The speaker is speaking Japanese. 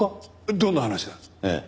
どんな話だ？ええ。